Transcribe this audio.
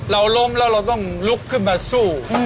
เราล้มแล้วเราต้องลุกขึ้นมาสู้